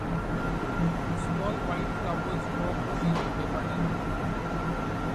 Small white flowers form in abundance.